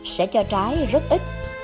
sẽ cho trái rất ít